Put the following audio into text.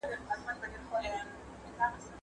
قيامت به کله سي، چي د زوى او مور اکله سي.